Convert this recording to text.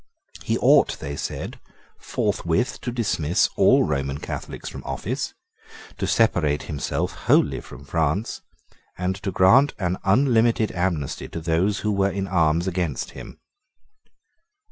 He ought, they said, forthwith to dismiss all Roman Catholics from office, to separate himself wholly from France, and to grant an unlimited amnesty to those who were in arms against him.